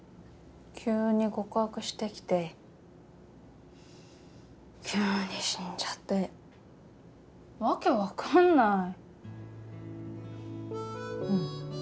急に告白してきて急に死んじゃって訳分かんないうん